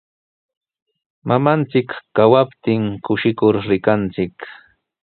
Mamanchik kawaptin kushikur rikanchik.